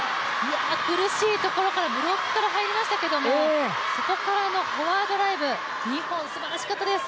苦しいところからブロックから入りましたけどそこからのフォアドライブ、すばらしかったです。